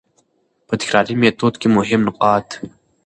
په تکراري ميتود کي مهم نقاط: